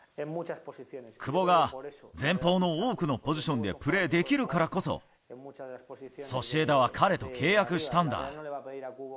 久保が前方の多くのポジションでプレーできるからこそ、ソシエダは彼と契約したんだ。